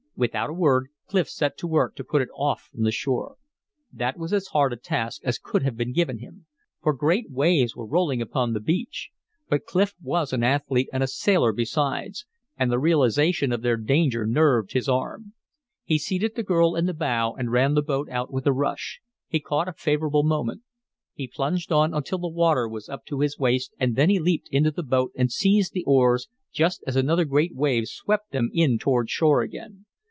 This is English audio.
Without a word, Clif set to work to put it off from the shore. That was as hard a task as could have been given him; for great waves were rolling upon the beach. But Clif was an athlete and a sailor besides; and the realization of their danger nerved his arm. He seated the girl in the bow and ran the boat out with a rush; he caught a favorable moment. He plunged on until the water was up to his waist, and then he leaped into the boat and seized the oars just as another great wave swept them in toward shore again.